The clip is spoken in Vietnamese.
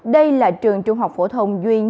đây là trường trung học phổ thông